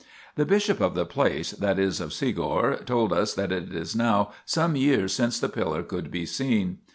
The bishop of the place, that is of Segor, told us that it is now some years since the pillar could be seen.